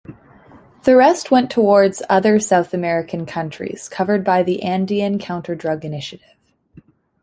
The rest went towards other South American countries covered by the Andean Counterdrug Initiative.